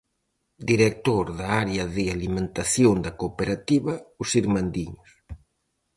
Director da área de alimentación da cooperativa Os Irmandiños.